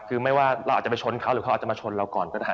คือไม่ว่าเราอาจจะไปชนเขาหรือเขาอาจจะมาชนเราก่อนก็ได้